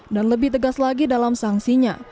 dan lebih tegas lagi dalam sangsinya